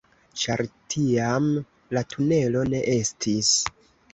Ĉar tiam la tunelo ne estis